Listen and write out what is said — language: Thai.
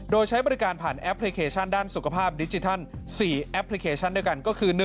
โดยใช้บริการผ่านแอปพลิเคชันด้านสุขภาพดิจิทัล๔แอปพลิเคชันด้วยกันก็คือ